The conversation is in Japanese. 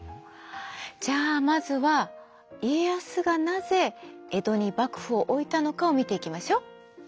じゃあまずは家康がなぜ江戸に幕府を置いたのかを見ていきましょう。